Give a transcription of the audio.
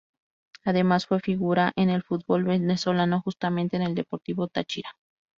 Además fue figura en el fútbol venezolano, justamente en el Deportivo Táchira.